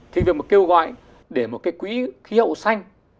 thì việc mà kêu gọi để một cái quỹ khí hậu xanh